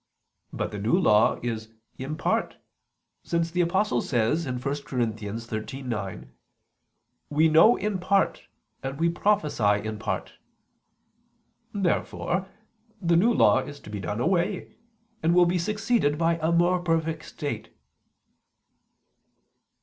But the New Law is "in part," since the Apostle says (1 Cor. 13:9): "We know in part and we prophesy in part." Therefore the New Law is to be done away, and will be succeeded by a more perfect state.